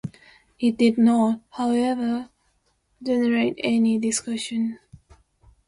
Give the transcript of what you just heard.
It did not, however, generate any discussion.